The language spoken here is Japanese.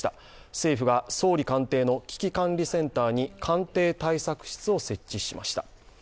政府が総理官邸の危機管理センターに官邸対策室を設置しました。